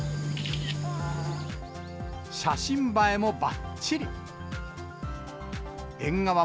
写真映えもばっちり。